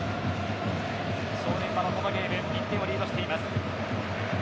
正念場のこのゲーム１点をリードしています。